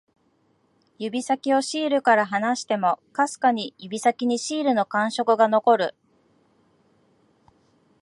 指先をシールから離しても、かすかに指先にシールの感触が残る